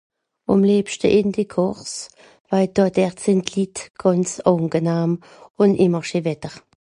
De préférence en Corse parceque les gens y sont très agreables et qu'il fait toujours beau